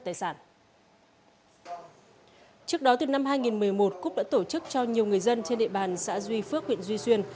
trước đó từ năm hai nghìn một mươi một cúc đã tổ chức cho nhiều người dân trên địa bàn xã duy phước huyện duy xuyên